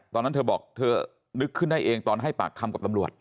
ตอนนั้นเธอบอกเธอนึกขึ้นได้เองตอนให้ปากคำกับตำรวจ